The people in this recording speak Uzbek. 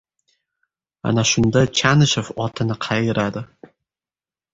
Ana shunda Chanishev otini qayiradi.